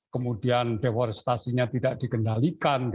kemudian deforestasinya tidak dikendalikan